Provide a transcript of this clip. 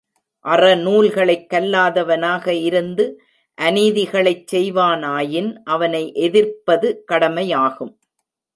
அறநூல்களைக் கல்லாதவனாக இருந்து அநீதிகளைச் செய்வானாயின் அவனை எதிர்ப்பது கடமையாகும்.